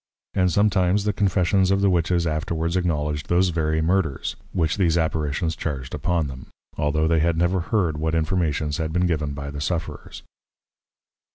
And sometimes the Confessions of the Witches afterwards acknowledged those very Murders, which these Apparitions charged upon them; altho' they had never heard what Informations had been given by the Sufferers.